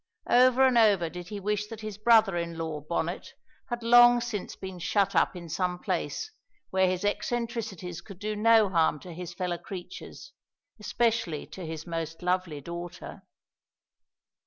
Over and over did he wish that his brother in law Bonnet had long since been shut up in some place where his eccentricities could do no harm to his fellow creatures, especially to his most lovely daughter.